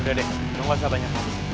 udah deh dong pasapanya